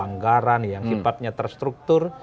anggaran yang sifatnya terstruktur